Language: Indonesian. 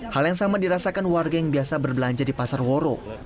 hal yang sama dirasakan warga yang biasa berbelanja di pasar woro